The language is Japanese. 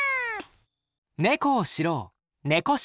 猫を知ろう「猫識」。